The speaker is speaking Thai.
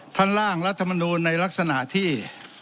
ท่านร่างรัฐธรรมนูญในลักษณะที่